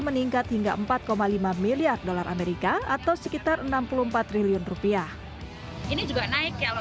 meningkat hingga empat lima miliar dolar amerika atau sekitar enam puluh empat triliun rupiah ini juga naik kalau